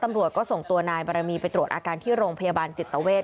พ่อแม่ของนายบรมีไปตรวจอาการที่โรงพยาบาลจิตเตอร์เวศ